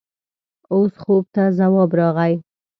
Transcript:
اوس خوب ته ځواب راغی.